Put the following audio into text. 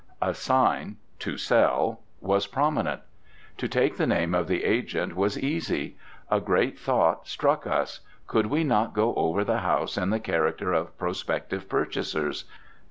A sign TO SELL was prominent. To take the name of the agent was easy. A great thought struck us. Could we not go over the house in the character of prospective purchasers?